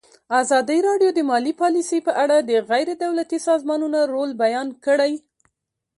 ازادي راډیو د مالي پالیسي په اړه د غیر دولتي سازمانونو رول بیان کړی.